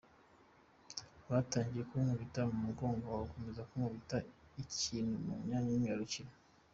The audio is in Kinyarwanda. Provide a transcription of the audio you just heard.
Batangiye kunkubita mu mugongo, bakomeza kunkubita ikintu ku myanya myibarukiro.